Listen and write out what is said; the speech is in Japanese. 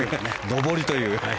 上りという。